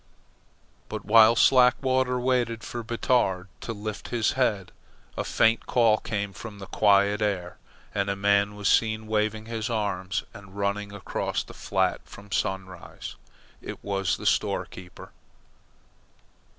But while Slackwater waited for Batard to lift his head, a faint call came from the quiet air, and a man was seen waving his arms and running across the flat from Sunrise. It was the store keeper.